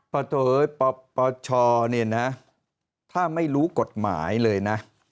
ปปชเนี่ยนะถ้าไม่รู้กฎหมายเลยนะ